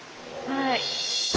はい。